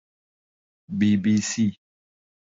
بی بی سی